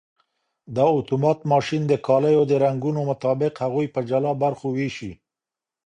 دا اتومات ماشین د کالیو د رنګونو مطابق هغوی په جلا برخو ویشي.